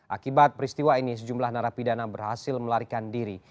akibat peristiwa ini sejumlah narapidana berhasil melarikan diri